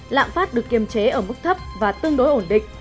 lạm phát được kiềm chế ở mức thấp và tương đối ổn định